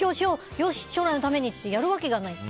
よし、将来のためにってやるわけがない。